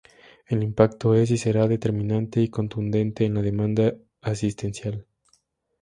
El impacto es y será determinante y contundente en la demanda asistencial.